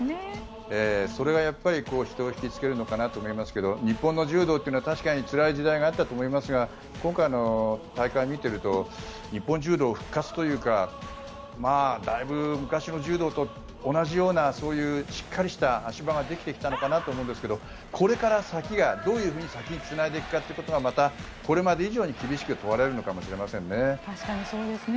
それが人を引きつけるのかなと思いますけど日本の柔道って確かにつらい時代があったと思いますが今回の大会を見ていると日本柔道復活というかだいぶ昔の柔道と同じようなしっかりとした足場ができてきたのかなと思いますがこれから先がどういうふうに先へつないでいくかということがこれまで以上に厳しく問われるのかもしれませんね。